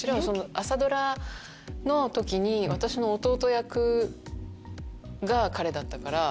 朝ドラの時に私の弟役が彼だったから。